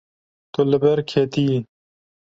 Tu li ber ketiyî.